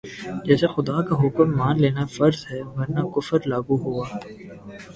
جیسے خدا کا حکم مان لینا فرض ہے ورنہ کفر لاگو ہوا